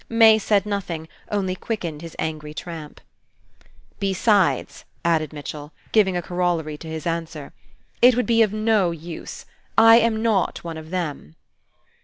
May said nothing, only quickened his angry tramp. "Besides," added Mitchell, giving a corollary to his answer, "it would be of no use. I am not one of them."